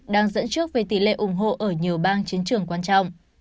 đang dẫn trước về tỷ lệ ủng hộ ở nhiều bang chiến trường quan trọng